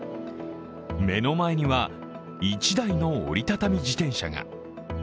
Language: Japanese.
目の前には一台の折り畳み自転車が。